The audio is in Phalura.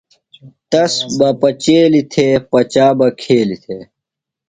تس بہ پچیلیۡ تھےۡ، پچا بہ کھیلیۡ تھےۡ